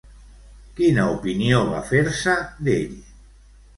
Quina opinió va fer-se d'ell?